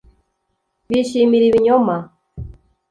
Bishimira ibinyoma